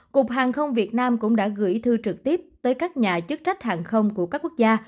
cục hàng không việt nam cũng đã gửi thư trực tiếp tới các nhà chức trách hàng không của các quốc gia